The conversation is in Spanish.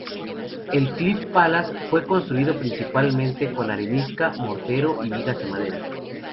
El Cliff Palace fue construido principalmente con arenisca, mortero y vigas de madera.